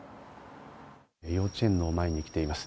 幼稚園の前に来ています。